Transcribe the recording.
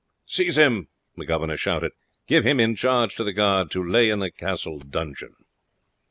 "Seize him!" the governor shouted. "Give him in charge to the guard, to lay in the castle dungeon."